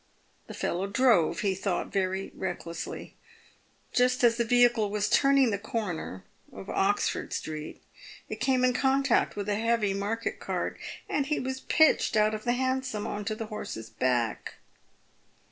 The fellow drove, he thought, very recklessly. Just as the vehicle was turning the corner of Oxford street, it came in contact with a heavy market cart, and he was pitched out of the Hansom on to the horse's back."